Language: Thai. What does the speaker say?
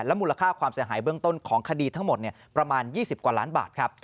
มูลค่าความเสียหายเบื้องต้นของคดีทั้งหมดประมาณ๒๐กว่าล้านบาทครับ